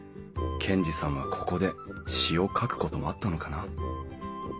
賢治さんはここで詩を書くこともあったのかな？